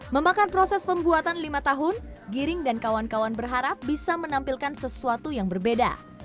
memakan proses pembuatan lima tahun giring dan kawan kawan berharap bisa menampilkan sesuatu yang berbeda